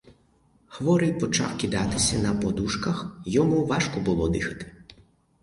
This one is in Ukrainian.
Хворий почав кидатися на подушках — йому важко було дихати.